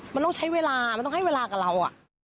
มันต้องใช้เวลามันต้องให้เวลากับเรา